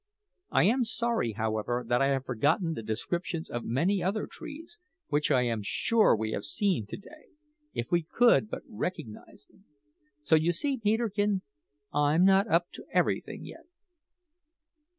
I am sorry, however that I have forgotten the descriptions of many other trees which I am sure we have seen to day, if we could but recognise them. So you see, Peterkin, I'm not up to everything yet."